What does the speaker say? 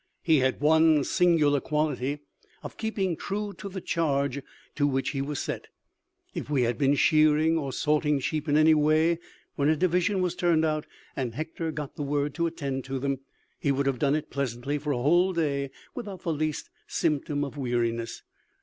He had one singular quality, of keeping true to the charge to which he was set. If we had been shearing, or sorting sheep in any way, when a division was turned out and Hector got the word to attend to them, he would have done it pleasantly for a whole day without the least symptom of weariness.